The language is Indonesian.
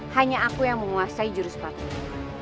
hanya aku yang menguasai jurus patung